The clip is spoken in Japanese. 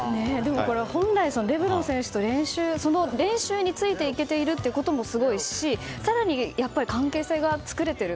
これ、本来レブロン選手の練習についていけてることがすごいし更に関係性が作れている。